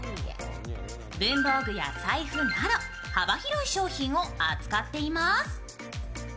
文房具や財布など幅広い商品を扱っています。